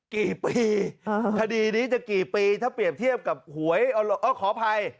กี่ปีคดีนี้จะกี่ปีถ้าเปรียบเทียบกับหวยขออภัย